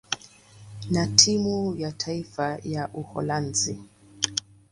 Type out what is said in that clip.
na timu ya taifa ya Uholanzi.